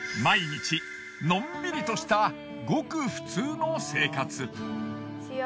毎日のんびりとしたごく普通の生活。